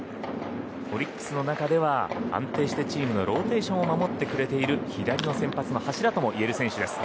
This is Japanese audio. オリックスの中では安定してチームのローテーションを守ってくれている左の先発の柱ともいえる選手です。